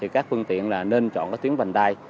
các phương tiện nên chọn tuyến vành đai